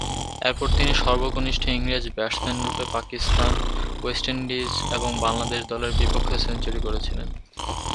এরপর তিনি সর্বকনিষ্ঠ ইংরেজ ব্যাটসম্যানরূপে পাকিস্তান, ওয়েস্ট ইন্ডিজ এবং বাংলাদেশ দলের বিপক্ষেও সেঞ্চুরি করেছিলেন।